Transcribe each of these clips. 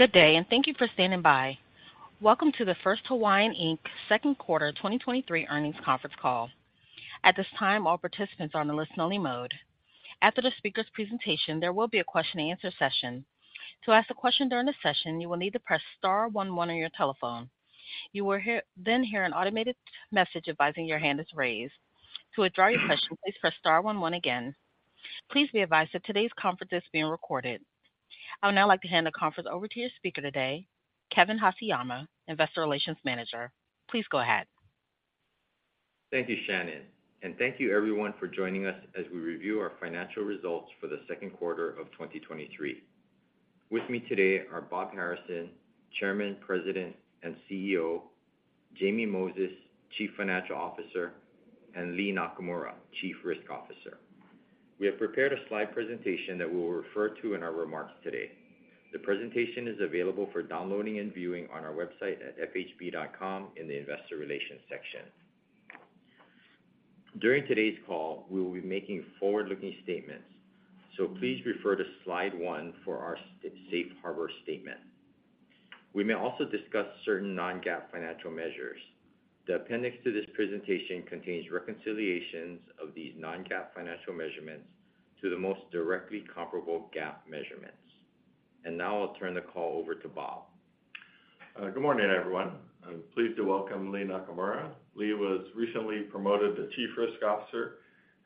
Good day. Thank you for standing by. Welcome to the First Hawaiian, Inc, Second Quarter 2023 Earnings Conference Call. At this time, all participants are on a listen-only mode. After the speaker's presentation, there will be a question-and-answer session. To ask a question during the session, you will need to press star one one on your telephone. You will then hear an automated message advising your hand is raised. To withdraw your question, please press star one one again. Please be advised that today's conference is being recorded. I would now like to hand the conference over to your speaker today, Kevin Haseyama, Investor Relations Manager. Please go ahead. Thank you, Shannon, thank you everyone for joining us as we review our financial results for the second quarter of 2023. With me today are Robert Harrison, Chairman, President, and CEO, James Moses, Chief Financial Officer, and Lea Nakamura, Chief Risk Officer. We have prepared a slide presentation that we will refer to in our remarks today. The presentation is available for downloading and viewing on our website at fhb.com in the Investor Relations section. During today's call, we will be making forward-looking statements, please refer to slide 1 for our safe harbor statement. We may also discuss certain non-GAAP financial measures. The appendix to this presentation contains reconciliations of these non-GAAP financial measurements to the most directly comparable GAAP measurements. Now I'll turn the call over to Robert Harrison. Good morning, everyone. I'm pleased to welcome Lea Nakamura. Lea Nakamura was recently promoted to Chief Risk Officer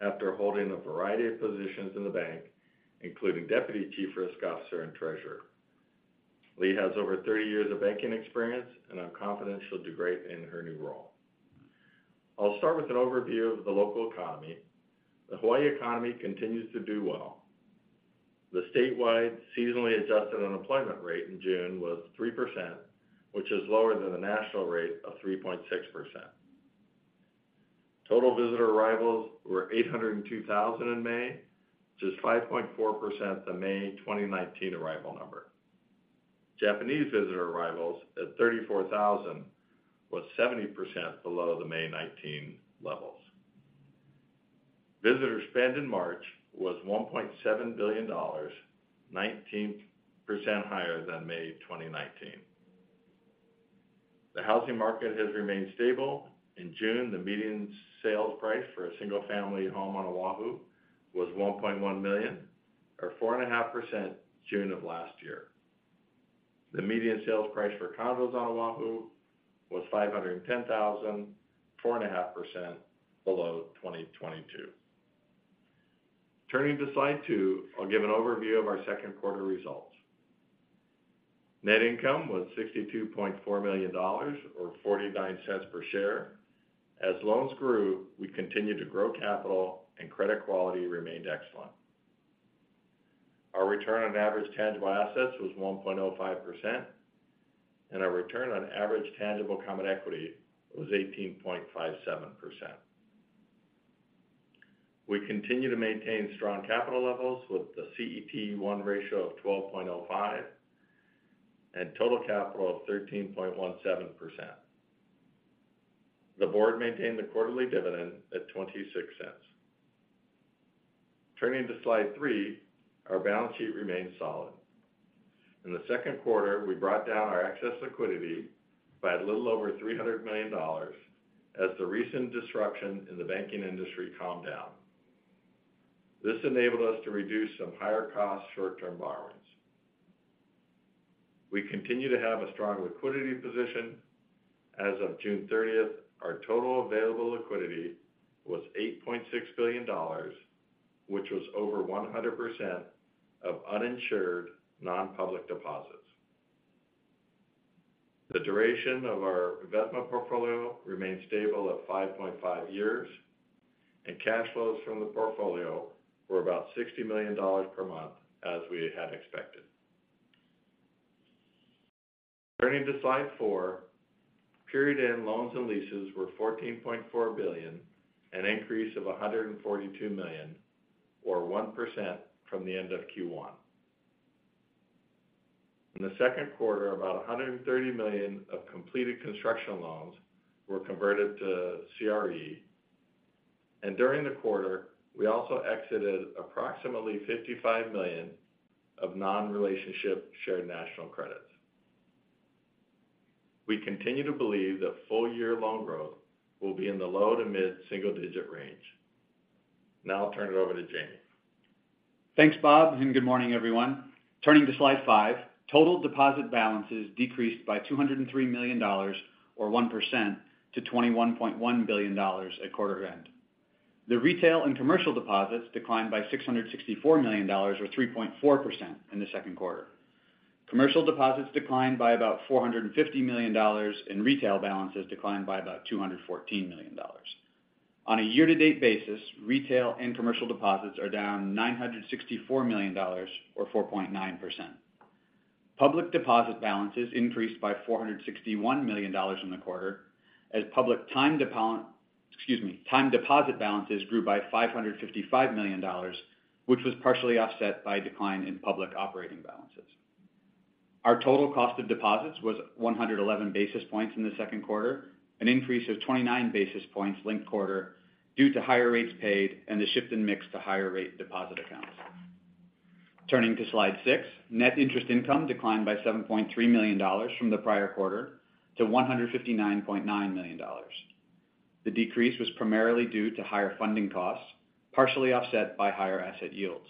after holding a variety of positions in the bank, including Deputy Chief Risk Officer and Treasurer. Lea has over 30 years of banking experience, and I'm confident she'll do great in her new role. I'll start with an overview of the local economy. The Hawaii economy continues to do well. The statewide seasonally adjusted unemployment rate in June was 3%, which is lower than the national rate of 3.6%. Total visitor arrivals were 802,000 in May, which is 5.4% the May 2019 arrival number. Japanese visitor arrivals at 34,000 was 70% below the May 2019 levels. Visitor spend in March was $1.7 billion, 19% higher than May 2019. The housing market has remained stable. In June, the median sales price for a single-family home on Oahu was $1.1 million, or 4.5% June of last year. The median sales price for condos on Oahu was $510,000, 4.5% below 2022. Turning to slide two, I'll give an overview of our second quarter results. Net income was $62.4 million, or $0.49 per share. As loans grew, we continued to grow capital and credit quality remained excellent. Our return on average tangible assets was 1.05%, and our return on average tangible common equity was 18.57%. We continue to maintain strong capital levels with the CET1 ratio of 12.05 and total capital of 13.17%. The board maintained the quarterly dividend at $0.26. Turning to slide 3, our balance sheet remains solid. In the second quarter, we brought down our excess liquidity by a little over $300 million as the recent disruption in the banking industry calmed down. This enabled us to reduce some higher-cost, short-term borrowings. We continue to have a strong liquidity position. As of June 30th, our total available liquidity was $8.6 billion, which was over 100% of uninsured, non-public deposits. The duration of our investment portfolio remains stable at 5.5 years, and cash flows from the portfolio were about $60 million per month, as we had expected. Turning to slide 4, period-end loans and leases were $14.4 billion, an increase of $142 million, or 1% from the end of Q1. In the second quarter, about $130 million of completed construction loans were converted to CRE. During the quarter, we also exited approximately $55 million of non-relationship shared national credits. We continue to believe that full-year loan growth will be in the low to mid-single digit range. Now I'll turn it over to James Moses. Thanks, Robert Harrison, and good morning, everyone. Turning to slide five. Total deposit balances decreased by $203 million, or 1% to $21.1 billion at quarter end. The retail and commercial deposits declined by $664 million, or 3.4% in the second quarter. Commercial deposits declined by about $450 million, and retail balances declined by about $214 million. On a year-to-date basis, retail and commercial deposits are down $964 million or 4.9%. Public deposit balances increased by $461 million in the quarter as public time deposit balances grew by $555 million, which was partially offset by a decline in public operating balances. Our total cost of deposits was 111 basis points in the second quarter, an increase of 29 basis points linked quarter due to higher rates paid and the shift in mix to higher rate deposit accounts. Turning to Slide 6. Net interest income declined by $7.3 million from the prior quarter to $159.9 million. The decrease was primarily due to higher funding costs, partially offset by higher asset yields.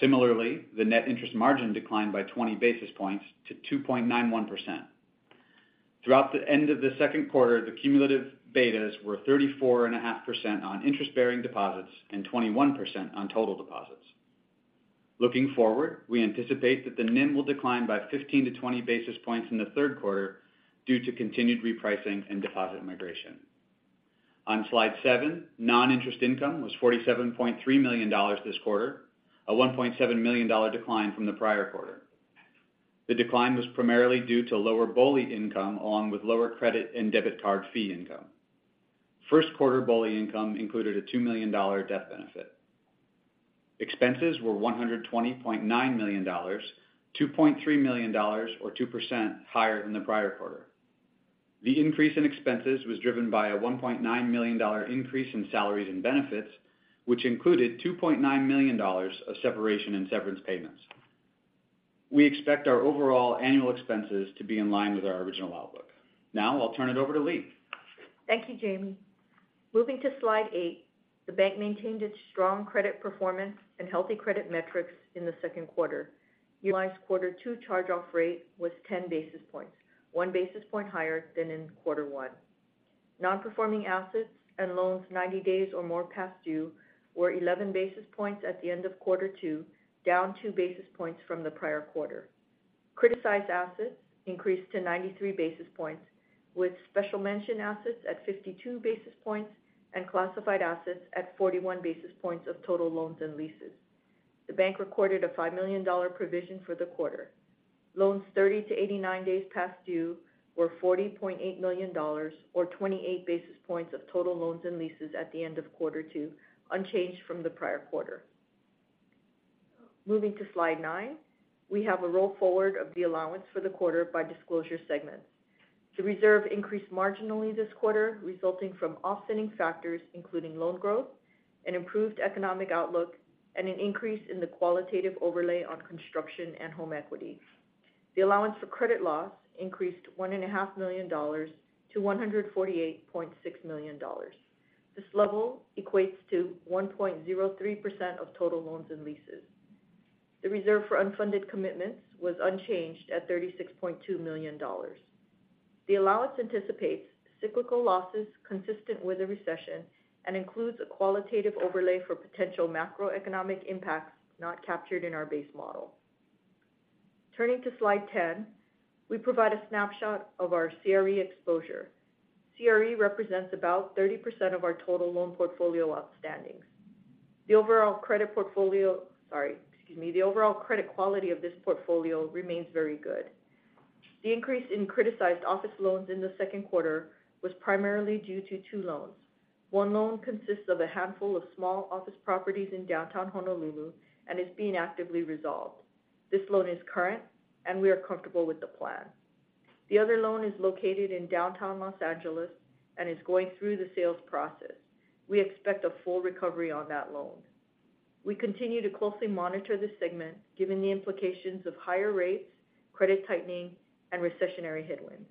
Similarly, the net interest margin declined by 20 basis points to 2.91%. Throughout the end of the second quarter, the cumulative betas were 34.5% on interest-bearing deposits and 21% on total deposits. Looking forward, we anticipate that the NIM will decline by 15-20 basis points in the third quarter due to continued repricing and deposit migration. On Slide 7, non-interest income was $47.3 million this quarter, a $1.7 million decline from the prior quarter. The decline was primarily due to lower BOLI income, along with lower credit and debit card fee income. First quarter BOLI income included a $2 million debt benefit. Expenses were $120.9 million, $2.3 million or 2% higher than the prior quarter. The increase in expenses was driven by a $1.9 million increase in salaries and benefits, which included $2.9 million of separation and severance payments. We expect our overall annual expenses to be in line with our original outlook. Now I'll turn it over to Lea Nakamura. Thank you, James Moses. Moving to Slide 8. The bank maintained its strong credit performance and healthy credit metrics in the second quarter. Annualized quarter two charge-off rate was 10 basis points, 1 basis point higher than in quarter one. Non-performing assets and loans 90 days or more past due were 11 basis points at the end of quarter two, down 2 basis points from the prior quarter. Criticized assets increased to 93 basis points, with special mention assets at 52 basis points and classified assets at 41 basis points of total loans and leases. The bank recorded a $5 million provision for the quarter. Loans 30 to 89 days past due were $40.8 million, or 28 basis points of total loans and leases at the end of quarter two, unchanged from the prior quarter. Moving to Slide 9. We have a roll forward of the allowance for the quarter by disclosure segment. The reserve increased marginally this quarter, resulting from offsetting factors, including loan growth and improved economic outlook, and an increase in the qualitative overlay on construction and home equity. The allowance for credit loss increased $1.5 million to $148.6 million. This level equates to 1.03% of total loans and leases. The reserve for unfunded commitments was unchanged at $36.2 million. The allowance anticipates cyclical losses consistent with a recession and includes a qualitative overlay for potential macroeconomic impacts not captured in our base model. Turning to Slide 10, we provide a snapshot of our CRE exposure. CRE represents about 30% of our total loan portfolio outstandings. The overall credit quality of this portfolio remains very good. The increase in criticized office loans in the second quarter was primarily due to 2 loans. 1 loan consists of a handful of small office properties in downtown Honolulu and is being actively resolved. This loan is current, and we are comfortable with the plan. The other loan is located in downtown Los Angeles and is going through the sales process. We expect a full recovery on that loan. We continue to closely monitor this segment, given the implications of higher rates, credit tightening, and recessionary headwinds.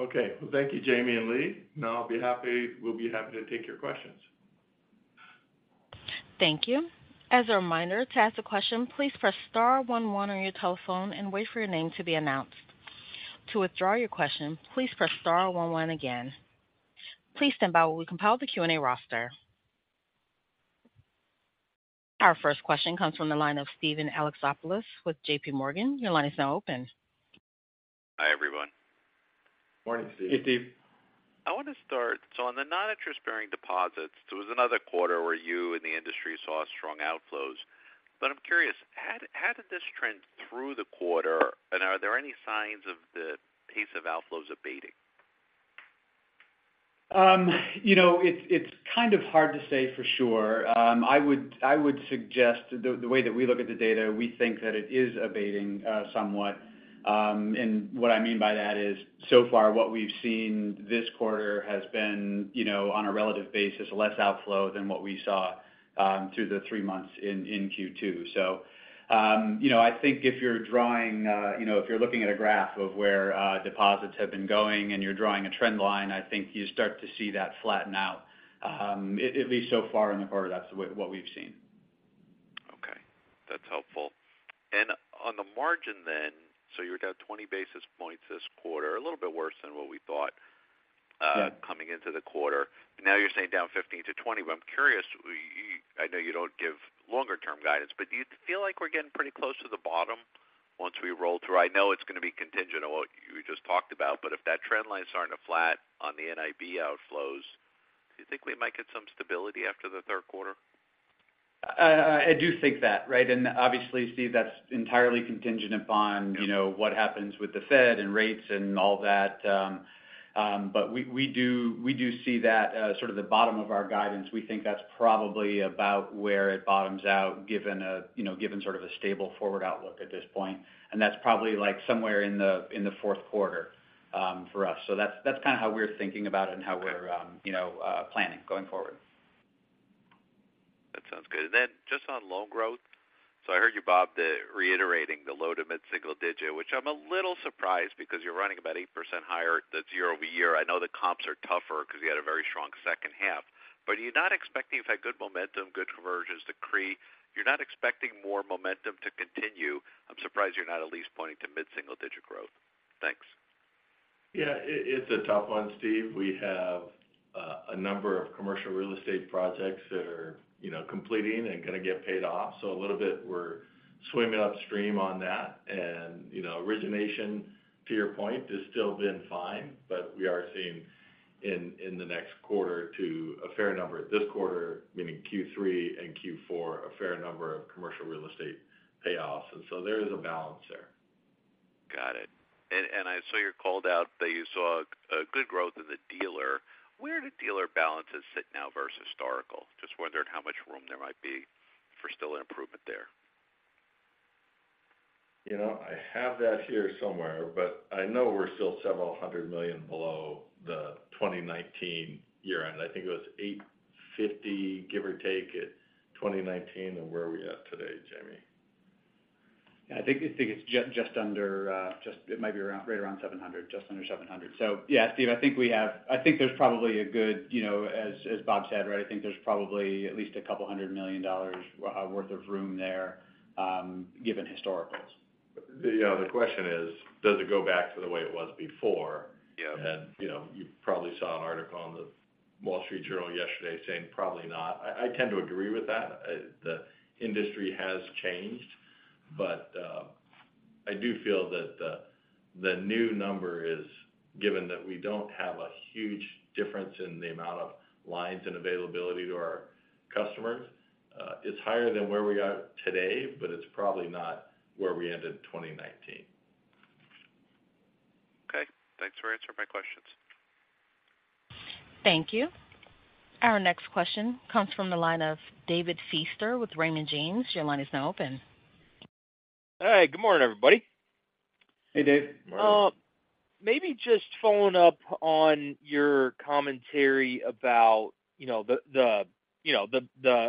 Okay, well, thank you, James Moses and Lea Nakamura. Now we'll be happy to take your questions. Thank you. As a reminder, to ask a question, please press star one one on your telephone and wait for your name to be announced. To withdraw your question, please press star one one again. Please stand by while we compile the Q&A roster. Our first question comes from the line of Steven Alexopoulos with JP Morgan. Your line is now open. Hi, everyone. Morning, Steven Alexopoulos Hey, Steven Alexopoulos. I want to start. On the non-interest-bearing deposits, there was another quarter where you and the industry saw strong outflows. I'm curious, how did this trend through the quarter, and are there any signs of the pace of outflows abating? It's hard to say for sure. I would suggest the way that we look at the data, we think that it is abating somewhat. What I mean by that is, so far what we've seen this quarter has been on a relative basis, less outflow than what we saw through the three months in Q2. I think if you're drawing, if you're looking at a graph of where deposits have been going and you're drawing a trend line, I think you start to see that flatten out at least so far in the quarter, that's what we've seen. Okay, that's helpful. On the margin then, so you're down 20 basis points this quarter, a little bit worse than what we thought coming into the quarter. Now you're saying down 15-20. I'm curious, I know you don't give longer-term guidance, but do you feel like we're getting pretty close to the bottom once we roll through? I know it's going to be contingent on what you just talked about, but if that trend lines aren't a flat on the NIB outflows, do you think we might get some stability after the third quarter? I do think that and obviously, Steven Alexopoulos that's entirely contingent upon what happens with the Fed and rates and all that. We do see that sort of the bottom of our guidance. We think that's probably about where it bottoms out, given sort of a stable forward outlook at this point. That's probably like somewhere in the fourth quarter for us. That's, that's kind of how we're thinking about it and how we're, you know, planning going forward. That sounds good. Then just on loan growth. I heard you, Robert Harrison, the reiterating the low to mid-single digit, which I'm a little surprised because you're running about 8% higher than year-over-year. I know the comps are tougher because you had a very strong second half, but you're not expecting, in fact, good momentum, good convergence to create. You're not expecting more momentum to continue. I'm surprised you're not at least pointing to mid-single digit growth. Thanks. Yeah, it, it's a tough one, Steven Alexopoulos. We have a number of commercial real estate projects that are, you know, completing and going to get paid off. A little bit, we're swimming upstream on that. Origination, to your point, has still been fine, but we are seeing in the next quarter to a fair number this quarter, meaning Q3 and Q4, a fair number of commercial real estate payoffs. There is a balance there. Got it. I saw you called out that you saw a good growth in the dealer. Where do dealer balances sit now versus historical? Just wondering how much room there might be for still an improvement there. I have that here somewhere, but I know we're still $several hundred million below the 2019 year-end. I think it was $850, give or take, at 2019, and where are we at today, James Moses? Yeah, I think it's just under, it might be right under $700. Steven Alexopoulos I think there's probably a good, as Robert Harrison said, I think there's probably at least $a couple million worth of room there, given historicals. The question is, Does it go back to the way it was before? You probably saw an article on The Wall Street Journal yesterday saying, probably not. I tend to agree with that. The industry has changed, but I do feel that the, the new number is, given that we don't have a huge difference in the amount of lines and availability to our customers, is higher than where we are today, but it's probably not where we ended in 2019. Okay. Thanks for answering my questions. Thank you. Our next question comes from the line of David Feaster with Raymond James. Your line is now open. Hey, good morning, everybody. Hey, David Feaster. Maybe just following up on your commentary about, the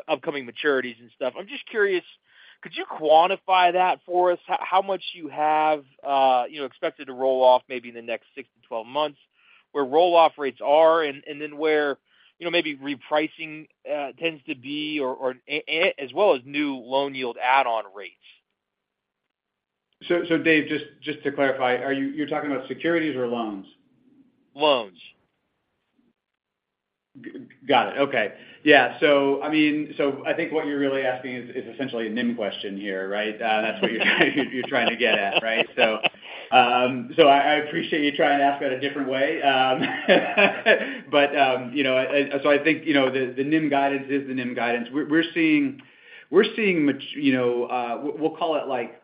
upcoming maturities and stuff. I'm just curious, could you quantify that for us? How, how much you have, expected to roll off maybe in the next 6-12 months, where roll-off rates are, and then where, you know, maybe repricing tends to be, or as well as new loan yield add-on rates? So, David Feaster, just, just to clarify, you're talking about securities or loans? Loans. Got it. Okay. So I think what you're really asking is, is essentially a NIM question here. That's what you're trying to get at. I appreciate you trying to ask it a different way, but the NIM guidance is the NIM guidance. We're, we're seeing which, we'll call it like,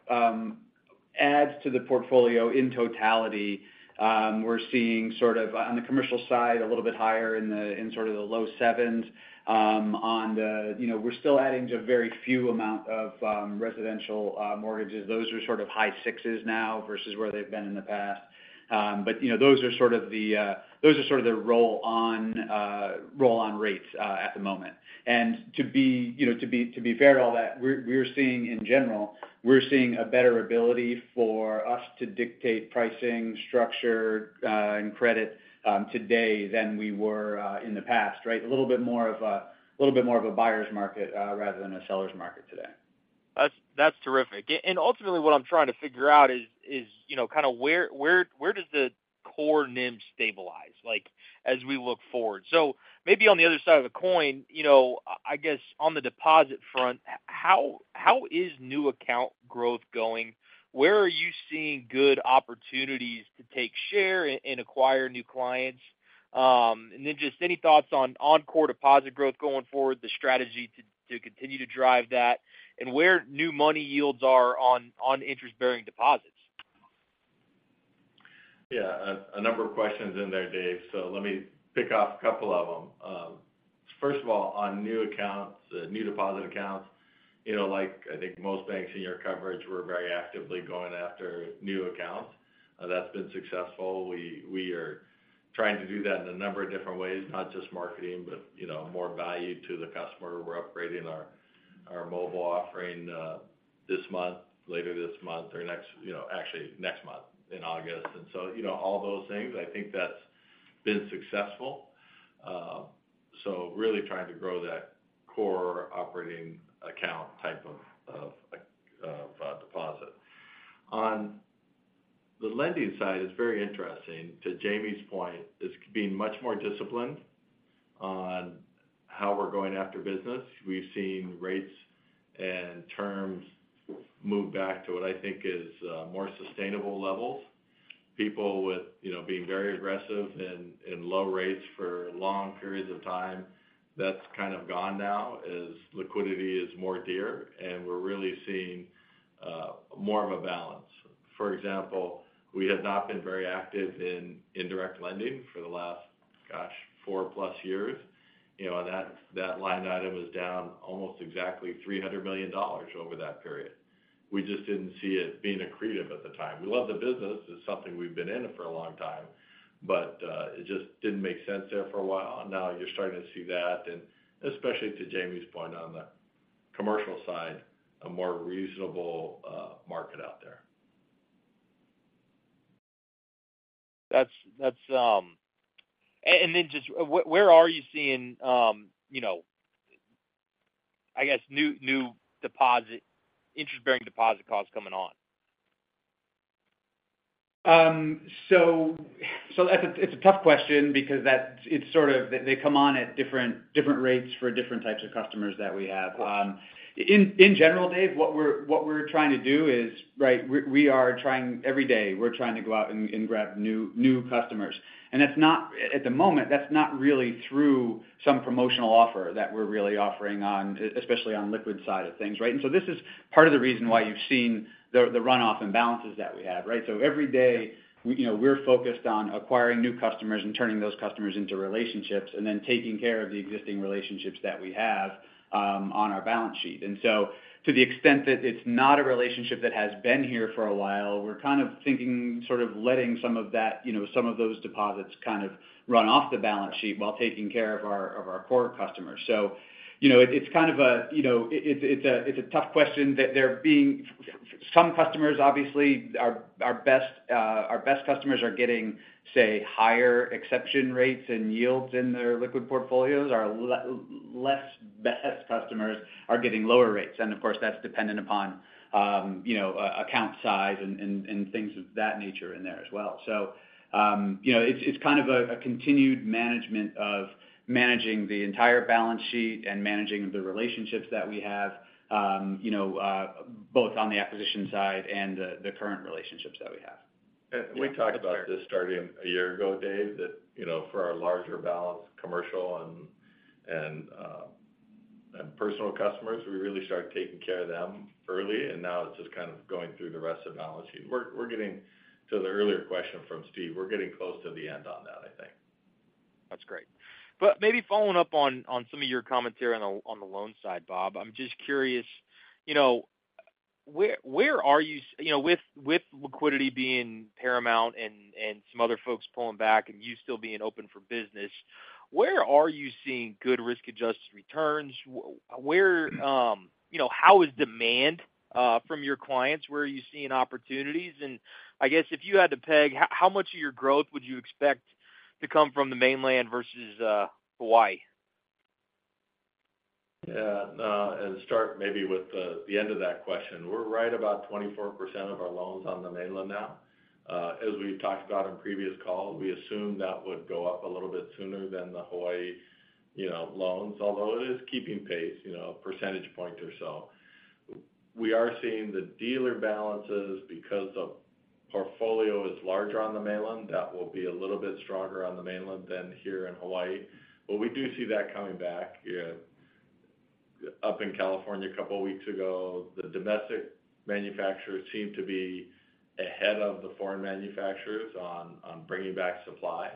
adds to the portfolio in totality. We're seeing sort of on the commercial side, a little bit higher in sort of the low 7s. On the we're still adding to a very few amount of, residential, mortgages. Those are sort of high 6s now versus where they've been in the past. Those are sort of the, those are sort of the roll-on, roll-on rates, at the moment. To be fair to all that, we're seeing in general, we're seeing a better ability for us to dictate pricing, structure, and credit, today than we were, in the past. A little bit more of a buyer's market, rather than a seller's market today. That's terrific. And ultimately, what I'm trying to figure out is where does the core NIM stabilize? As we look forward. Maybe on the other side of the coin, I guess on the deposit front how is new account growth going? Where are you seeing good opportunities to take share and acquire new clients? Then just any thoughts on core deposit growth going forward, the strategy to continue to drive that, and where new money yields are on interest-bearing deposits? A number of questions in there, David Feaster. Let me pick off a couple of them. First of all, on new accounts, new deposit accounts, I think most banks in your coverage, we're very actively going after new accounts. That's been successful. We are trying to do that in a number of different ways, not just marketing, but more value to the customer. We're upgrading our mobile offering this month, later this month or next, actually next month in August. All those things, I think that's been successful. Really trying to grow that core operating account type of deposit. On the lending side, it's very interesting. To James Moses's point, is being much more disciplined on how we're going after business. We've seen rates and terms move back to what I think is more sustainable levels. People with being very aggressive in low rates for long periods of time, that's kind of gone now as liquidity is more dear, and we're really seeing more of a balance. For example, we have not been very active in indirect lending for the last, gosh, 4+ years. That line item is down almost exactly $300 million over that period, we just didn't see it being accretive at the time. We love the business. It's something we've been in for a long time, but it just didn't make sense there for a while. Now you're starting to see that, and especially to James Moses's point on the commercial side, a more reasonable market out there. Then just where are you seeing, I guess, new interest-bearing deposit costs coming on? So it's a tough question because they come on at different, different rates for different types of customers that we have. In general David Feaster, what we're trying to do is we are trying every day, we're trying to go out and grab new customers. That's not at the moment, that's not really through some promotional offer that we're really offering on, especially on liquid side of things. This is part of the reason why you've seen the runoff in balances that we had. Every day, we're focused on acquiring new customers and turning those customers into relationships, and then taking care of the existing relationships that we have on our balance sheet. To the extent that it's not a relationship that has been here for a while, we're kind of thinking, letting some of those deposits kind of run off the balance sheet while taking care of our core customers. It's a tough question. Some customers, obviously, our best customers are getting, say, higher exception rates and yields in their liquid portfolios. Our less best customers are getting lower rates. Of course, that's dependent upon, account size and things of that nature in there as well. It's a continued management of managing the entire balance sheet and managing the relationships that we have both on the acquisition side and the current relationships that we have. We talked about this starting a year ago, David Feaster, that for our larger balance commercial and personal customers, we really started taking care of them early, and now it's going through the rest of the balance sheet. We're getting to the earlier question from Steven Alexopoulos. We're getting close to the end on that, I think. That's great. Maybe following up on some of your commentary on the loan side, Robert Harrison, I'm just curious, with liquidity being paramount and some other folks pulling back and you still being open for business, where are you seeing good risk-adjusted returns? How is demand from your clients? Where are you seeing opportunities? I guess if you had to peg, how much of your growth would you expect to come from the mainland versus Hawaii? I'll start maybe with the end of that question. We're right about 24% of our loans on the mainland now. As we've talked about in previous calls, we assume that would go up a little bit sooner than the Hawaii, loans, although it is keeping pace, percentage point or so. We are seeing the dealer balances because the portfolio is larger on the mainland. That will be a little bit stronger on the mainland than here in Hawaii. We do see that coming back. Up in California, a couple of weeks ago, the domestic manufacturers seemed to be ahead of the foreign manufacturers on bringing back supply.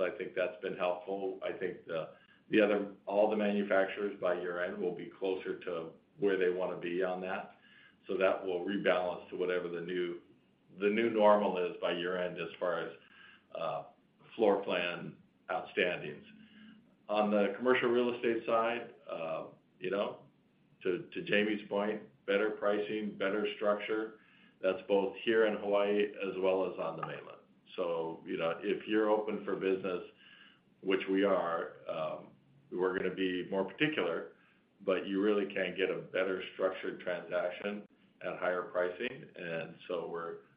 I think that's been helpful. I think all the manufacturers by year-end will be closer to where they want to be on that. That will rebalance to whatever the new normal is by year-end as far as floor plan outstandings. On the commercial real estate side, to James Moses's point, better pricing, better structure, that's both here in Hawaii as well as on the mainland. If you're open for business, which we're going to be more particular, but you really can't get a better structured transaction at higher pricing, and so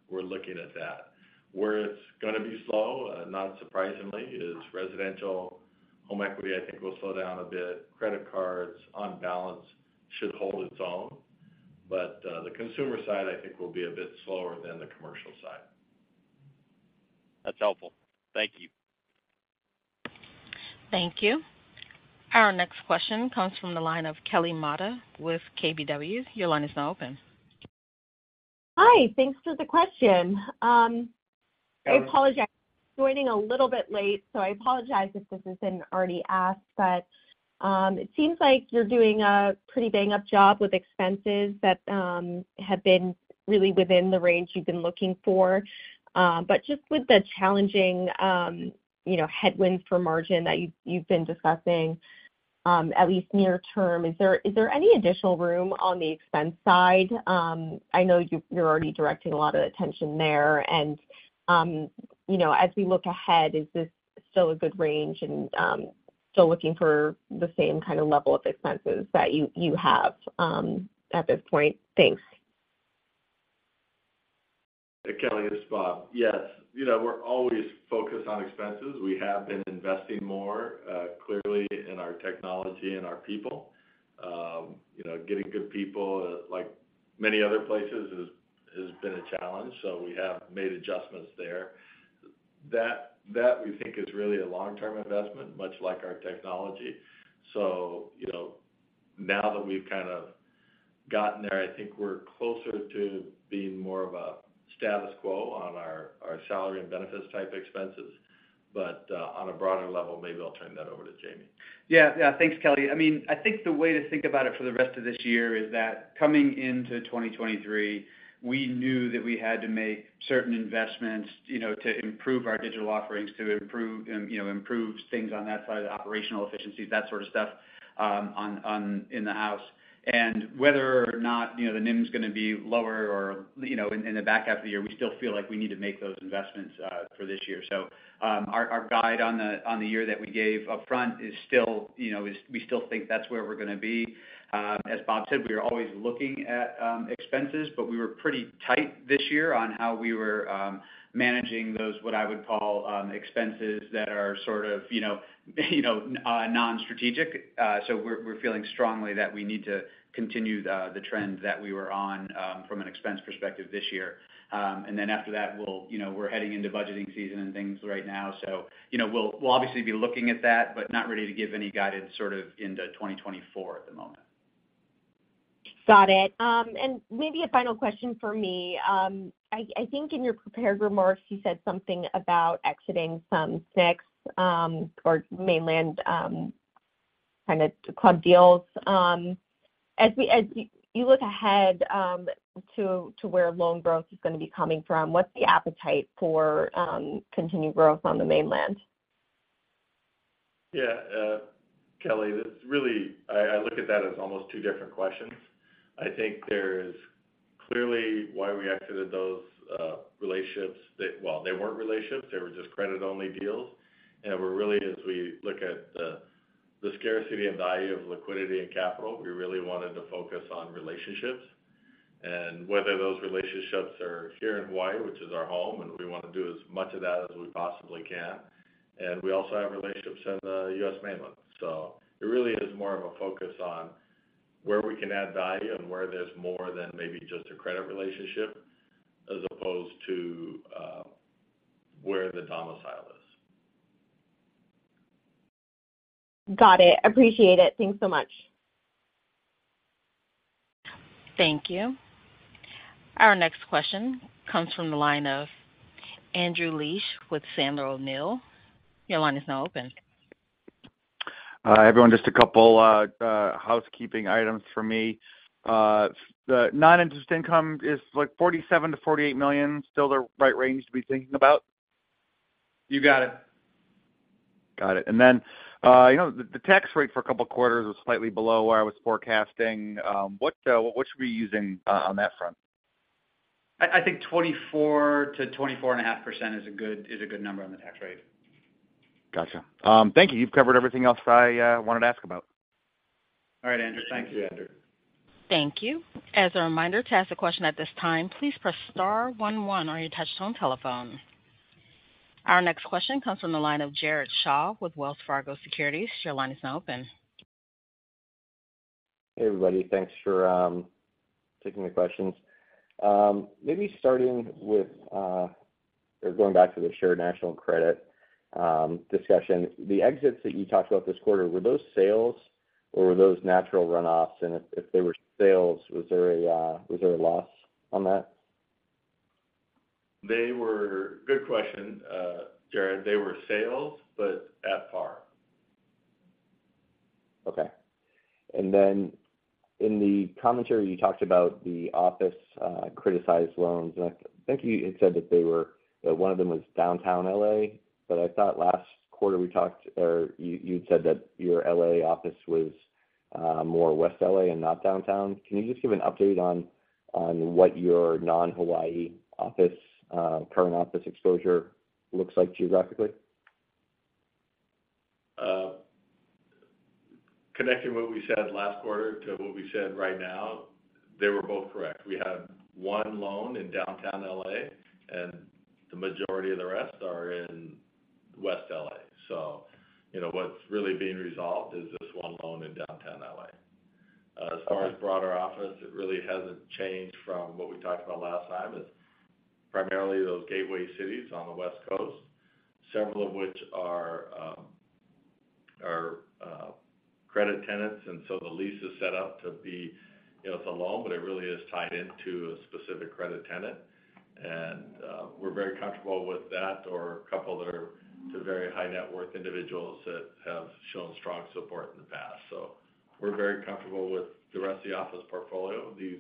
we're looking at that. Where it's going to be slow, not surprisingly, is residential. Home equity will slow down a bit. Credit cards on balance should hold its own, but the consumer side, it will be a bit slower than the commercial side. That's helpful. Thank you. Thank you. Our next question comes from the line of Kelly Motta with KBW. Your line is now open. Hi, thanks for the question. I apologize for joining a little bit late, so I apologize if this has been already asked. It seems like you're doing a pretty bang-up job with expenses that have been really within the range you've been looking for. Just with the challenging, headwinds for margin that you've been discussing, at least near term is there any additional room on the expense side? I know you're already directing a lot of attention there. As we look ahead, is this still a good range and still looking for the same kind of level of expenses that you have, at this point? Thanks. Kelly Motta, it's Bob. We're always focused on expenses. We have been investing more, clearly in our technology and our people. Getting good people, like many other places, ha been a challenge, so we have made adjustments there. That we think is really a long-term investment, much like our technology. Now that we've kind of gotten there, I think we're closer to being more of a status quo on our salary and benefits type expenses. On a broader level, maybe I'll turn that over to James Moses. Thanks, Kelly Motta. I mean, I think the way to think about it for the rest of this year is that coming into 2023, we knew that we had to make certain investments to improve our digital offerings, to improve things on that side, the operational efficiencies, that sort of stuff, in the house. Whether or not the NIM's going to be lower or in the back half of the year, we still feel like we need to make those investments for this year. Our guide on the year that we gave upfront we still think that's where we're going to be. As Robert Harrison said, we are always looking at expenses, but we were pretty tight this year on how we were managing those, what I would call, expenses that are non-strategic. We're feeling strongly that we need to continue the trends that we were on, from an expense perspective this year. After that we're heading into budgeting season and things right now we'll obviously be looking at that, but not ready to give any guidance sort of into 2024 at the moment. Got it. Maybe a final question for me. I think in your prepared remarks, you said something about exiting some SNCs, or mainland, kind of club deals. As you look ahead to where loan growth is going to be coming from, what's the appetite for, continued growth on the mainland? Kelly Motta, this really, I look at that as almost two different questions. I think there's clearly why we exited those relationships. They weren't relationships, they were just credit-only deals. We're really, as we look at the scarcity and value of liquidity and capital, we really wanted to focus on relationships. Whether those relationships are here in Hawaii, which is our home, and we want to do as much of that as we possibly can. We also have relationships in the US mainland. It really is more of a focus on where we can add value and where there's more than maybe just a credit relationship, as opposed to where the domicile is. Got it. Appreciate it. Thanks so much. Thank you. Our next question comes from the line of Andrew Liesch with Piper Sandler. Your line is now open. Hi, everyone. Just a couple, housekeeping items for me. The non-interest income is like $47 million-$48 million, still the right range to be thinking about? You got it. Got it. You know, the tax rate for a couple of quarters was slightly below where I was forecasting. What should we be using on that front? I think 24-24.5% is a good, is a good number on the tax rate. Gotcha. Thank you. You've covered everything else I wanted to ask about. All right, Andrew Liesch. Thank you. Thank you, Andrew Liesch. Thank you. As a reminder, to ask a question at this time, please press star one one on your touchtone telephone. Our next question comes from the line of Jared Shaw with Wells Fargo Securities. Your line is now open. Hey, everybody. Thanks for taking the questions. Maybe starting with, or going back to the Shared National Credit discussion. The exits that you talked about this quarter, were those sales or were those natural runoffs? If they were sales, was there a loss on that? They were, good question, Jared Shaw. They were sales, but at par. Okay. Then in the commentary, you talked about the office criticized loans. I think you had said that they were that one of them was downtown LA, but I thought last quarter we talked, or you, you'd said that your LA office was more West LA and not downtown. Can you just give an update on what your non Hawaii office current office exposure looks like geographically? Connecting what we said last quarter to what we said right now, they were both correct. We have one loan in downtown LA, and the majority of the rest are in West LA What's really being resolved is this one loan in downtown LA as far as broader office, it really hasn't changed from what we talked about last time. It's primarily those gateway cities on the West Coast, several of which are credit tenants, and so the lease is set up to be, you know, it's a loan, but it really is tied into a specific credit tenant. We're very comfortable with that or a couple that are to very high net worth individ`uals that have shown strong support in the past. We're very comfortable with the rest of the office portfolio. These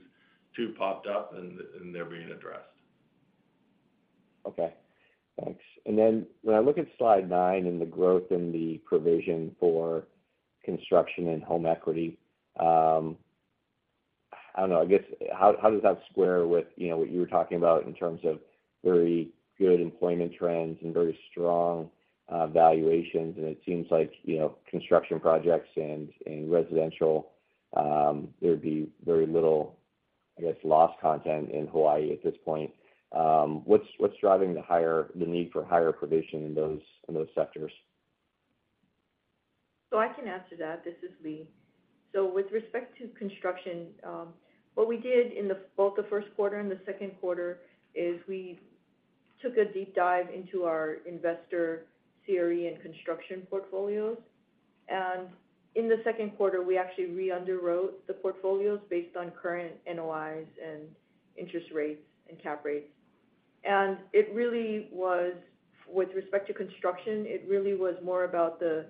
two popped up, and they're being addressed. Okay, thanks. Then when I look at slide 9 and the growth in the provision for construction and home equity, I don't know, I guess, how does that square with, what you were talking about in terms of very good employment trends and very strong valuations? It seems like construction projects and residential, there'd be very little, I guess, loss content in Hawaii at this point. What's driving the need for higher provision in those sectors? I can answer that. This is Lea Nakamura. With respect to construction, what we did in both the first quarter and the second quarter is we took a deep dive into our investor CRE and construction portfolios. In the second quarter, we actually re-underwrote the portfolios based on current NOIs and interest rates and cap rates. It really was, with respect to construction, it really was more about the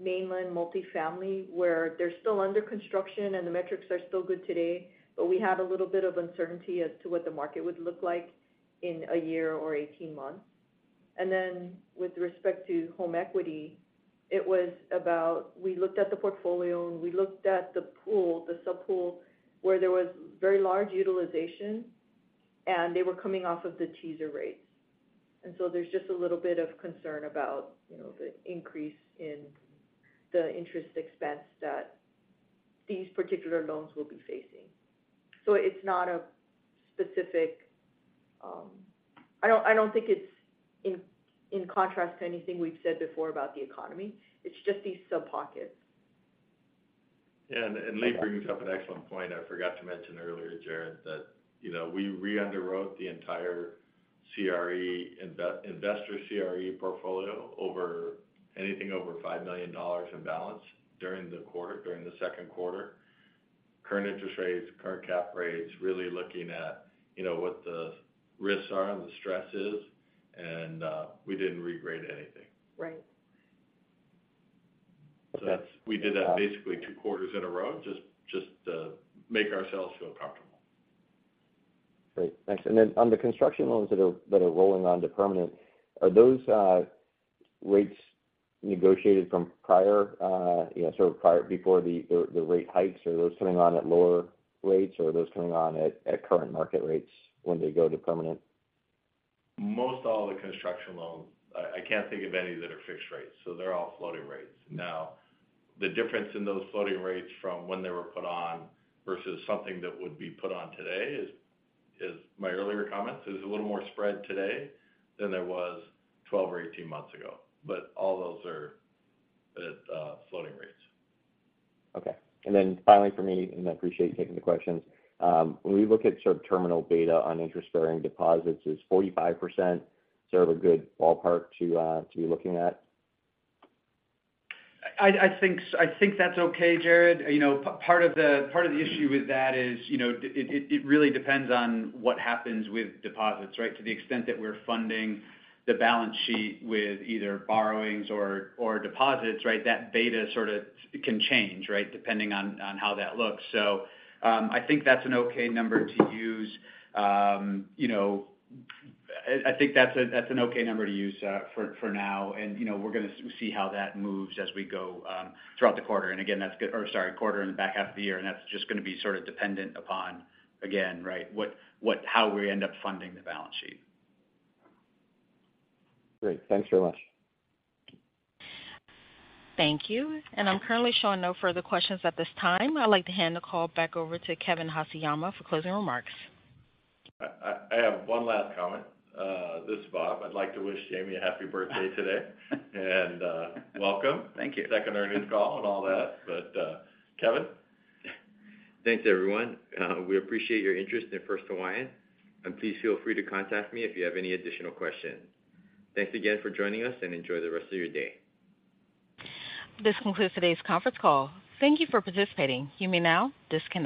mainland multifamily, where they're still under construction and the metrics are still good today, but we had a little bit of uncertainty as to what the market would look like in 1 year or 18 months. Then with respect to home equity, it was about, we looked at the portfolio, and we looked at the pool, the subpool, where there was very large utilization, and they were coming off of the teaser rates. There's just a little bit of concern about the increase in the interest expense that these particular loans will be facing. It's not a specific, I don't think it's in contrast to anything we've said before about the economy. It's just these sub-pockets. Yeah, Lea Nakamura brings up an excellent point I forgot to mention earlier, Jared Shaw, that, you know, we reunderwrote the entire investor CRE portfolio over anything over $5 million in balance during the quarter, during the second quarter. Current interest rates, current cap rates, really looking at what the risks are and the stresses. We didn't regrade anything. Right. we did that basically 2 quarters in a row, just to make ourselves feel comfortable. Great, thanks. Then on the construction loans that are rolling on to permanent, are those rates negotiated from prior sort of prior, before the rate hikes, or are those coming on at lower rates, or are those coming on at current market rates when they go to permanent? Most all the construction loans, I can't think of any that are fixed rates, so they're all floating rates. The difference in those floating rates from when they were put on versus something that would be put on today is, is my earlier comments, is a little more spread today than there was 12 or 18 months ago. All those are at floating rates. Okay. Then finally, for me, and I appreciate you taking the questions. When we look at sort of terminal beta on interest-bearing deposits, is 45% sort of a good ballpark to be looking at? I think that's okay, Jared Shaw. Part of the issue with that is it really depends on what happens with deposits. To the extent that we're funding the balance sheet with either borrowings or deposits. That data sort of can change. Depending on how that looks. I think that's an okay number to use. I think that's an okay number to use for now. We're going to see how that moves as we go throughout the quarter. Again, Oh, sorry, quarter in the back half of the year, and that's just going to be sort of dependent upon, again, how we end up funding the balance sheet. Great. Thanks very much. Thank you. I'm currently showing no further questions at this time. I'd like to hand the call back over to Kevin Haseyama for closing remarks. I have one last comment. This is Robert Harrison I'd like to wish James Moses a happy birthday today. Welcome. Thank you. Second earnings call and all that. Kevin Haseyama? Thanks, everyone. We appreciate your interest in First Hawaiian, and please feel free to contact me if you have any additional questions. Thanks again for joining us, and enjoy the rest of your day. This concludes today's conference call. Thank you for participating. You may now disconnect.